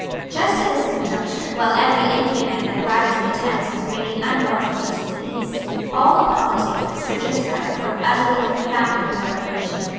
Just at this conjuncture, while every Indiaman that arrived in the Thames was bringing unwelcome news from the East, all the politics of Sir Josiah were utterly confounded by the Revolution.